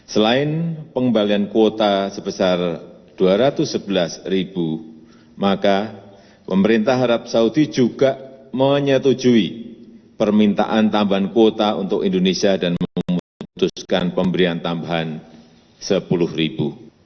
selain pengembalian kuota sebesar rp dua ratus sebelas ribu maka pemerintah arab saudi juga menyetujui permintaan tambahan kuota untuk indonesia dan memutuskan pemberian tambahan rp sepuluh